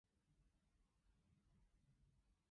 唉，好攰呀